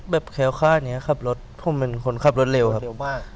แบบแคล้วค่าอย่างเนี้ยขับรถผมเป็นคนขับรถเร็วครับเร็วบ้าง